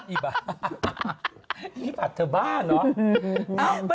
อีบาทเธอบ้าเนอะ